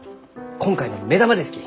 今回の目玉ですき！